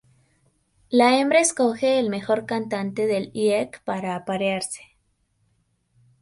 La hembra escoge el mejor cantante del lek para aparearse.